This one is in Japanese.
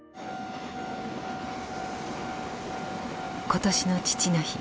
今年の父の日。